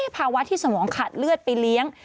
ภาวะที่สมองขาดเลือดไปเลี้ยง